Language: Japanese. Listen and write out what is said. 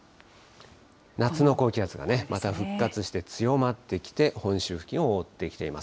夏の高気圧がまた復活して強まってきて、本州付近を覆ってきています。